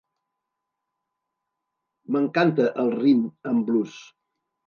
M'encanta el rhythm and blues!